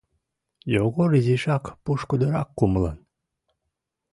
— Йогор изишак пушкыдырак кумылан...